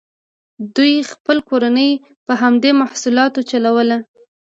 دوی خپله کورنۍ په همدې محصولاتو چلوله.